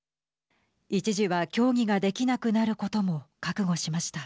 一時は競技ができなくなることも覚悟しました。